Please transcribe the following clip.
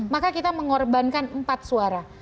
maka kita mengorbankan empat suara